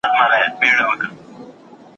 پسرلي ته منتظر وم چي خزان مي راغی خواته